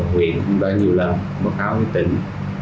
huyện cũng đã nhiều lần báo cáo với tỉnh